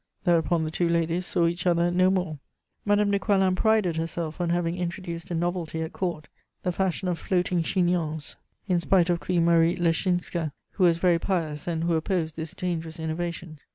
Thereupon the two ladies saw each other no more. Madame de Coislin prided herself on having introduced a novelty at Court, the fashion of floating chignons, in spite of Queen Marie Leczinska, who was very pious and who opposed this dangerous innovation.